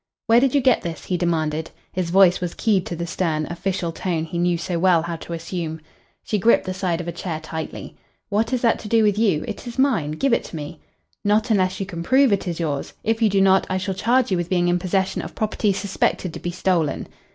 "Where did you get this?" he demanded. His voice was keyed to the stern, official tone he knew so well how to assume. She gripped the side of a chair tightly. "What is that to do with you? It is mine. Give it to me." "Not unless you can prove it is yours. If you do not, I shall charge you with being in possession of property suspected to be stolen."